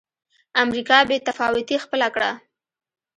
امریکا بې تفاوتي خپله کړه.